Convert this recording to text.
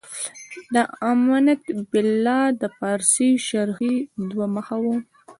د امنت بالله د پارسي شرحې دوه مخه و.